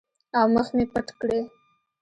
او مخ مې پټ کړي.